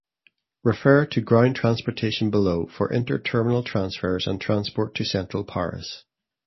Refer to Ground Transportation below for inter-terminal transfers and transport to central Paris.